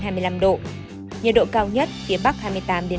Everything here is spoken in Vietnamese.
nhiệt độ cao nhất phía bắc hai mươi tám độ